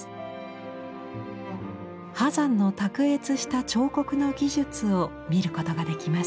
波山の卓越した彫刻の技術を見ることができます。